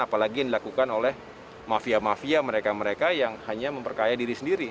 apalagi yang dilakukan oleh mafia mafia mereka mereka yang hanya memperkaya diri sendiri